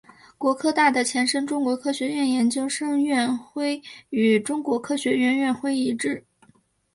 国科大的前身中国科学院研究生院院徽与中国科学院院徽一致。